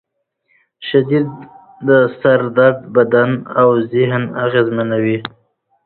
شدید سر درد بدن او ذهن اغېزمنوي.